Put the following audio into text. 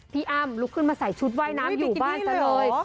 อ้ำลุกขึ้นมาใส่ชุดว่ายน้ำอยู่บ้านซะเลย